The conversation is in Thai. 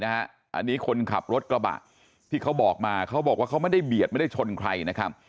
อันนี้คนขับรถกระบะที่เขาบอกมาเขาบอกว่าเขาไม่ได้เบียดไม่ได้ชนใครนะครับ